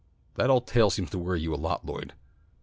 "That old tale seems to worry you a lot, Lloyd."